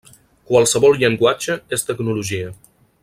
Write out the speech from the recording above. Qualsevol llenguatge és tecnologia.